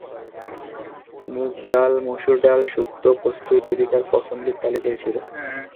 মুগ ডাল, মসুর ডাল, শুক্তো, পোস্ত ইত্যাদি তাঁর পছন্দের তালিকায় ছিল।